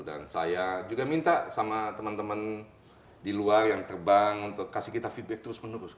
dan saya juga minta sama teman teman di luar yang terbang untuk kasih kita feedback terus menerus